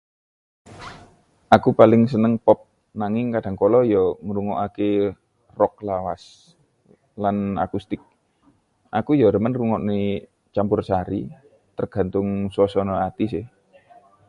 Aku paling seneng pop, nanging kadhangkala ya ngrungokake rock lawas, lan akustik. Aku ya remen ngrungokno campursari. Tergantung swasana ae se.